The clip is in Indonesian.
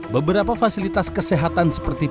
beberapa fasilitas kesehatan seperti